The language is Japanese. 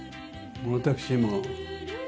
私も。